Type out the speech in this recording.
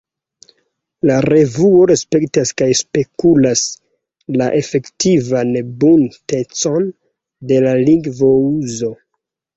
La revuo respektas kaj spegulas la efektivan buntecon de la lingvouzo.